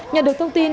nhận được thông tin